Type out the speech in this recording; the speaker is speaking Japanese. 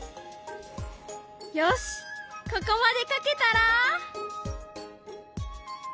よしここまで描けたら。